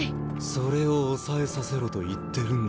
それを抑えさせろと言ってるんだ。